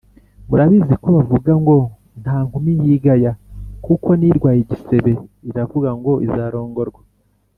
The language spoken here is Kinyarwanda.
murabizi kobavuga ngo: “nta nkumi yigaya kuko n’ irwaye igisebe iravuga ngo izarongorwa”